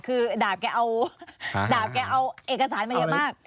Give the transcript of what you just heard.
คือดาบแกเอาดาบแกเอาเอกสารมาเยอะมาก